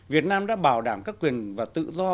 việt nam đã bảo đảm các quyền và tự do